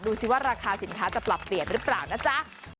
ดูสิว่าราคาสินค้าจะปรับเปลี่ยนหรือเปล่านะจ๊ะ